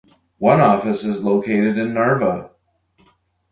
One office is located in Narva.